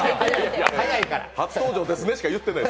初登場でそれしか言ってない。